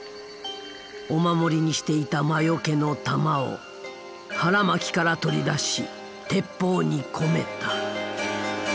お守りにしていた魔よけのたまを腹巻きから取り出し鉄砲に込めた。